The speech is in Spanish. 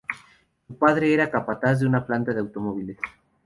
Su padre era capataz de una planta de automóviles.